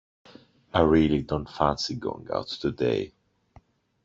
I really don't fancy going out today.